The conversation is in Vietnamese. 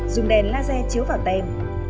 dùng đèn laser chiếu vào tem